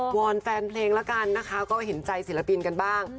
อนแฟนเพลงแล้วกันนะคะก็เห็นใจศิลปินกันบ้าง